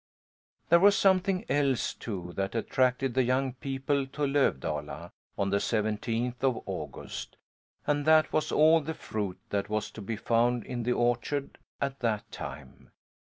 There was something else, too, that attracted the young people to Lövdala on the seventeenth of August, and that was all the fruit that was to be found in the orchard at that time.